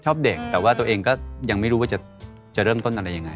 ชอบเด็กแต่ว่าตัวเองก็ยังไม่รู้ว่าจะเริ่มต้นอะไรยังไง